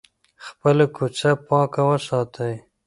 خپله کوڅه پاکه وساتئ.